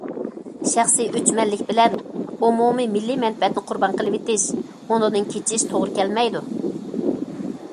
شەخسىي ئۆچمەنلىك بىلەن ئومۇمىي مىللىي مەنپەئەتنى قۇربان قىلىۋېتىش، ئۇنىڭدىن كېچىش توغرا كەلمەيدۇ.